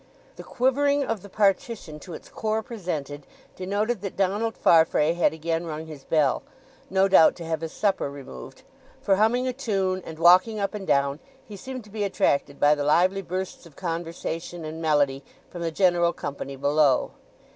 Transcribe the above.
The quivering of the partition to its core presently denoted that Donald Farfrae had again rung his bell, no doubt to have his supper removed; for humming a tune, and walking up and down, he seemed to be attracted by the lively bursts of conversation and melody from the general company below.